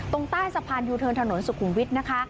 ตรงใต้สะพานยูเทิร์นถนนสุขุมวิทย์นะคะ